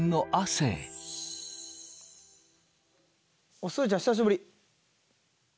おっすずちゃん久しぶり。